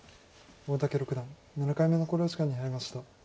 大竹六段７回目の考慮時間に入りました。